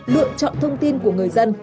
lựa chọn thông tin của người dân